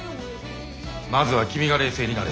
まずは君が冷静になれ！